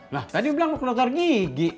nah tadi lu bilang ke dokter gigi